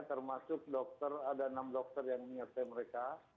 termasuk dokter ada enam dokter yang menyertai mereka